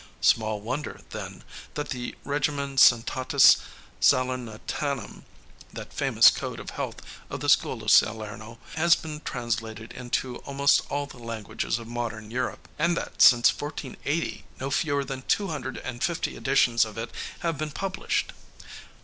Small wonder, then, that the Regimen Santatis Salernitanum that famous code of health of the school of Salerno has been translated into almost all the languages of modern Europe, and that since 1480 no fewer than two hundred and fifty editions of it have been published.